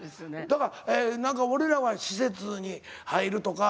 だから何か俺らは施設に入るとか。